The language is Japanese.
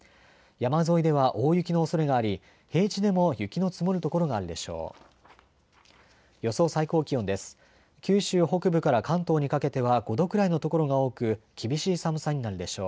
山沿いでは大雪のおそれがあり平地でも雪の積もる所があるでしょう。